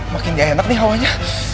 makin gak enak nih hawanya